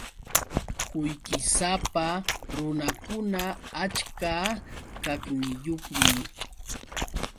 Qullqisapa runakuna achka kaqniyuqmi.